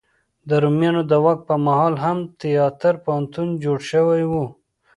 د رومیانو د واک په مهال هم د تیاتر پوهنتون جوړ شوی و.